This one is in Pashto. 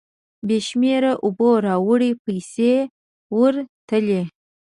بې شمېرې اوبو راوړې پیسې ورتلې.